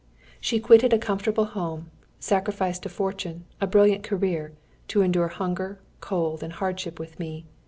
She quitted a comfortable home, sacrificed a fortune, a brilliant career, to endure hunger, cold, and hardship with me.